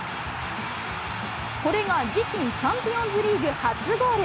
これが自身チャンピオンズリーグ初ゴール。